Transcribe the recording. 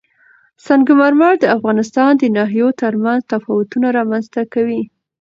سنگ مرمر د افغانستان د ناحیو ترمنځ تفاوتونه رامنځ ته کوي.